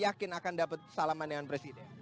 yakin akan dapat salaman dengan presiden